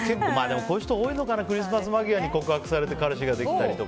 こういう人多いのかなクリスマス間際に告白されて彼氏ができたとか。